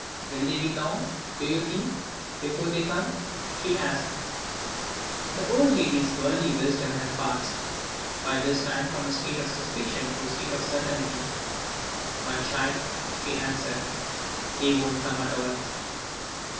"Will they be long, do you think, before they come?" she asked. The old lady's worldly wisdom had passed, by this time from a state of suspicion to a state of certainty. "My child," she answered, "they won't come at all."